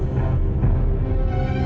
yang sepupu cnn